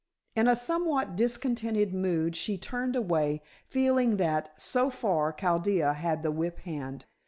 In a somewhat discontented mood, she turned away, feeling that, so far, Chaldea had the whip hand.